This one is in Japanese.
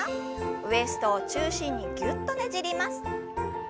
ウエストを中心にぎゅっとねじります。